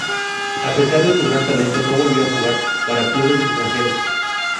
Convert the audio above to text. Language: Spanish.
A pesar de su gran talento, no volvió a jugar para clubes extranjeros.